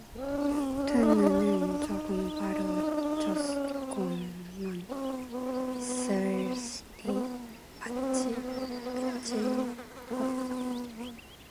흡뜬 눈은 조금 바루어졌건만 이슬이 맺히었다.